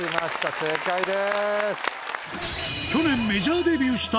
正解です。